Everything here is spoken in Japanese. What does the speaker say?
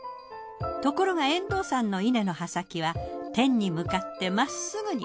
ところが遠藤さんの稲の葉先は天に向かってまっすぐに。